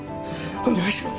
お願いします